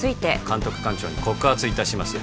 監督官庁に告発いたします